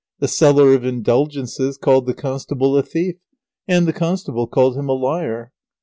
The seller of Indulgences called the constable a thief, and the constable called him a liar.